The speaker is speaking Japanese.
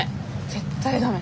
絶対ダメ。